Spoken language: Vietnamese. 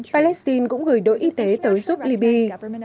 palestine cũng gửi đội y tế tới giúp libya